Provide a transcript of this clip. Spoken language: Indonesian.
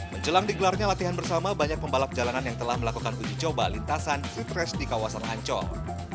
menjelang digelarnya latihan bersama banyak pembalap jalanan yang telah melakukan uji coba lintasan seat race di kawasan ancol